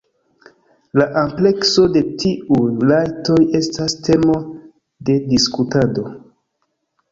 La amplekso de tiuj rajtoj estas temo de diskutado.